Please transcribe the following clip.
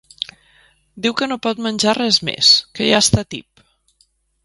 Diu que no pot menjar res més, que ja està tip.